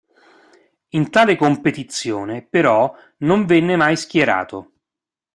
In tale competizione, però, non venne mai schierato.